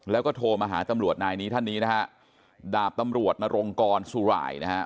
แล้วก็โทรมาหาตำรวจนายนี้ท่านนี้นะฮะดาบตำรวจนรงกรสุรายนะฮะ